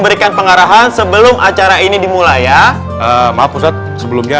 sekali kalian berkata jujur tetap apa yang sudah kalian lakukan dan ustadz musa akan sadarat untuk